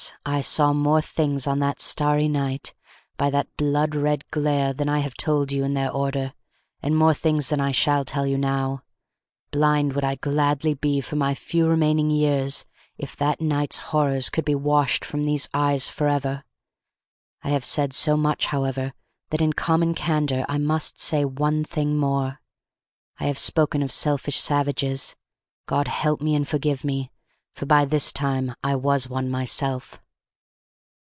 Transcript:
I saw more things on that starry night, by that blood red glare, than I have told you in their order, and more things than I shall tell you now. Blind would I gladly be for my few remaining years, if that night's horrors could be washed from these eyes for ever. I have said so much, however, that in common candor I must say one thing more. I have spoken of selfish savages. God help me and forgive me! For by this time I was one myself.